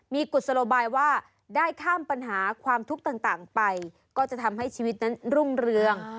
มีกุศโลบายว่าได้ข้ามปัญหาความทุกข์ต่างไปก็จะทำให้ชีวิตนั้นรุ่งเรือง